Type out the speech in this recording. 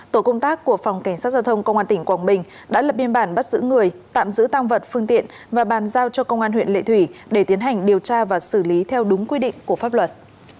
tổ công tác của phòng cảnh sát giao thông công an tỉnh quảng bình đã lập biên bản bắt giữ người tạm giữ tăng vật phương tiện và bàn giao cho công an huyện lệ thủy để tiến hành điều tra và xử lý theo đúng quy định của pháp luật